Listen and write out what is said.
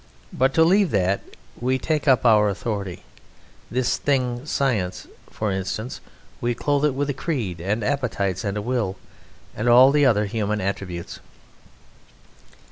But, to leave that, we take our authority this thing "Science," for instance we clothe it with a creed and appetites and a will, and all the other human attributes.